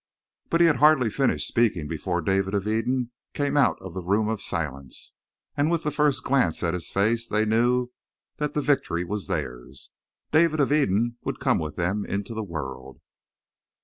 But he had hardly finished speaking before David of Eden came out of the Room of Silence, and with the first glance at his face they knew that the victory was theirs. David of Eden would come with them into the world!